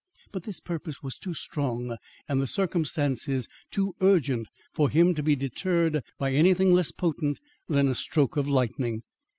But this purpose was too strong, and the circumstances too urgent for him to be deterred by anything less potent than a stroke of lightning.